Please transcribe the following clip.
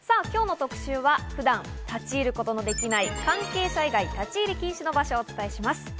今日の特集は普段立ち入ることのできない関係者以外立ち入り禁止の場所をお伝えします。